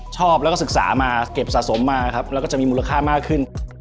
ชอบแล้วก็ศึกษามาเก็บสะสมมาครับแล้วก็จะมีมูลค่ามากขึ้น